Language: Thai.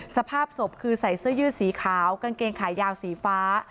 สภาพศพคือใส่เสื้อยืดสีขาวกางเกงขายาวสีฟ้า